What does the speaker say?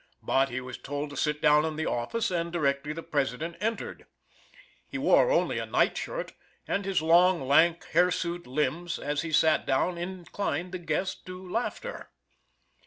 But he was told to sit down in the office, and directly the President entered. He wore only a night shirt, and his long, lank hirsute limbs, as he sat down, inclined the guest to laughter.